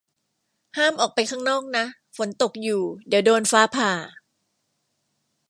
ห้ามออกไปข้างนอกนะ ฝนตกอยู่ เดี๋ยวโดนฟ้าผ่า